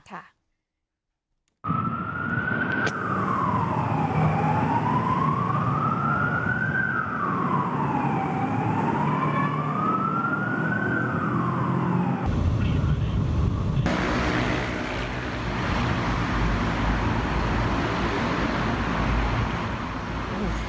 ใช่ค่ะ